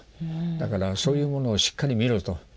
だからそういうものをしっかり見ろと。